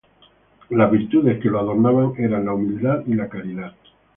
Las virtudes que lo adornaban eran la humildad y la caridad.